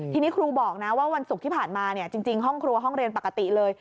ทีนี้ครูบอกนะว่าวันศุกร์ที่ผ่านมาจริงห้องครัวห้องเรียนปกติเลย